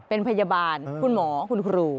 เป็นพยาบาลคุณหมอคุณครู